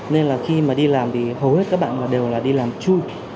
nên là khi mà đi làm thì hầu hết các bạn đều là đi làm chui